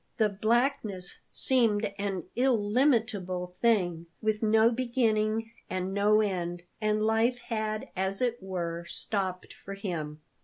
The blackness seemed an illimitable thing, with no beginning and no end, and life had, as it were, stopped for him.